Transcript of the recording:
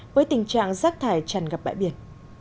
với tình trạng rác thải chẳng gặp bãi biển